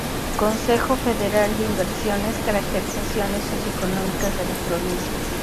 Consejo Federal de Inversiones: Caracterizaciones socio económicas de las provincias.